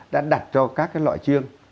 đã đặt cho các loại chiêng